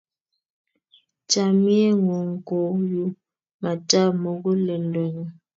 Chamnyengung ko u matap muguleldonyu